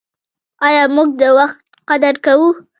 آیا موږ د وخت قدر کوو؟